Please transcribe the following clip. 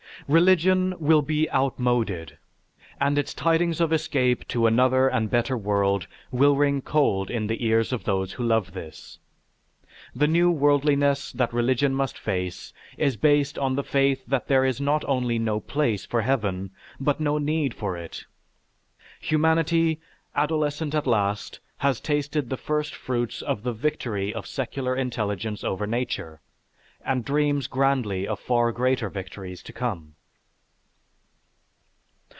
Religion will be outmoded; and its tidings of escape to another and better world will ring cold in the ears of those who love this. The new worldliness that religion must face is based on the faith that there is not only no place for heaven, but no need for it. Humanity, adolescent at last, has tasted the first fruits of the victory of secular intelligence over nature, and dreams grandly of far greater victories to come.